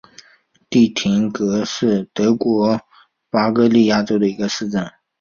蒂廷格是德国巴伐利亚州的一个市镇。